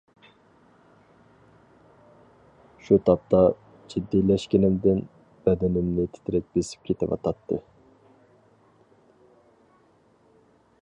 شۇ تاپتا، جىددىيلەشكىنىمدىن بەدىنىمنى تىترەك بېسىپ كېتىۋاتاتتى.